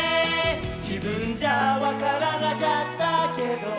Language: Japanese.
「じぶんじゃわからなかったけど」